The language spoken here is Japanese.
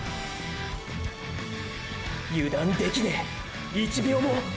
油断できねぇ１秒も！！